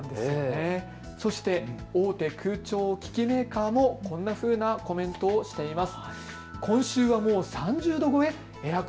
そして、大手空調機器メーカーもこんなふうなコメントをしています。